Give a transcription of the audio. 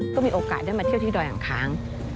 ก็มีโอกาสได้มาเที่ยวที่ดอยอังค้าง